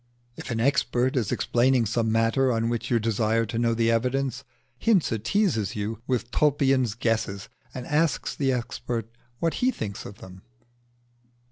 If an expert is explaining some matter on which you desire to know the evidence, Hinze teases you with Tulpian's guesses, and asks the expert what he thinks of them.